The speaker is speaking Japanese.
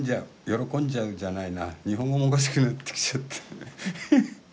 喜んじゃうじゃないな日本語もおかしくなってきちゃった。